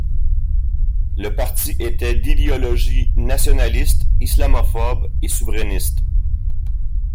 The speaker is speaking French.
Le parti était d'idéologie nationaliste, islamophobe et souverainiste.